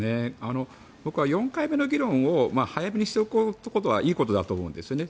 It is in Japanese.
僕は４回目の議論を早めにしておくことはいいことだと思うんです。